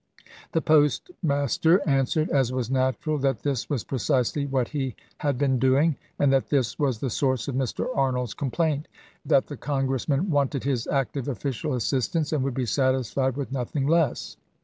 The postmaster answered, as was natural, that this was precisely what he had been doing, and that this was the source of Mr. Arnold's complaint; that the con gressman wanted his active official assistance, and would be satisfied with nothing less.